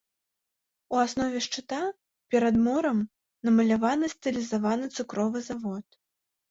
У аснове шчыта, перад морам, намаляваны стылізаваны цукровы завод.